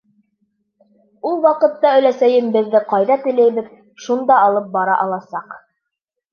Ул ваҡытта өләсәйем беҙҙе ҡайҙа теләйбеҙ шунда алып бара аласаҡ.